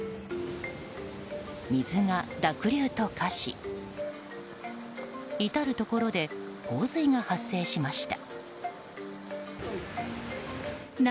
水が濁流と化し至るところで洪水が発生しました。